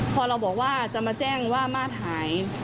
พอเราบอกว่าจะมาแจ้งว่ามาตรหาย